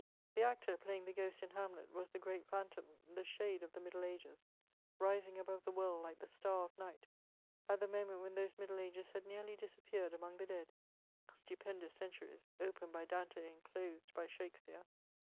The actor playing the ghost in Hamlet was the great phantom, the shade of the middle ages, rising above the world like the star of night, at the moment when those middle ages had nearly disappeared among the dead — stupendous centuries, opened by Dante and closed by Shakspeare.